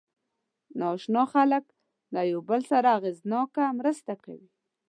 ناآشنا خلک له یو بل سره اغېزناکه مرسته کوي.